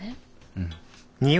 うん。